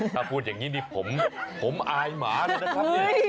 ถ้าพูดอย่างนี้ผมอายหมานะครับ